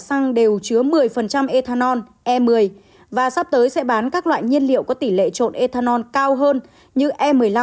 săng đều chứa một mươi ethanol và sắp tới sẽ bán các loại nhân liệu có tỷ lệ trộn ethanol cao hơn như e một mươi năm